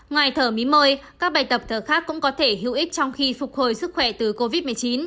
ngoài thở mí các bài tập thở khác cũng có thể hữu ích trong khi phục hồi sức khỏe từ covid một mươi chín